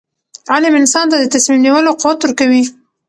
علم انسان ته د تصمیم نیولو قوت ورکوي.